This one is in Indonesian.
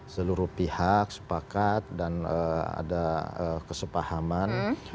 seluruh pihak sepakat dan ada kesepahaman